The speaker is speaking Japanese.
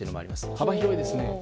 幅広いですね。